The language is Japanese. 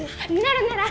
なら